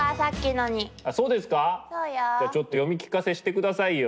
じゃあちょっと読み聞かせしてくださいよ。